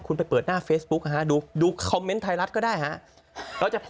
คุณไปเปิดหน้าเฟซบุ๊กดูคอมเมนต์ไทยรัฐก็ได้ฮะ